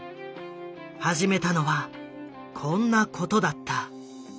始めたのはこんなことだった。